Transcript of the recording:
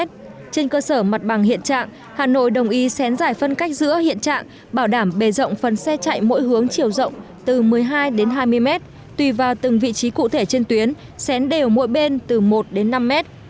trên cơ sở mặt bằng hiện trạng hà nội đồng ý xén giải phân cách giữa hiện trạng bảo đảm bề rộng phần xe chạy mỗi hướng chiều rộng từ một mươi hai đến hai mươi mét tùy vào từng vị trí cụ thể trên tuyến xén đều mỗi bên từ một đến năm mét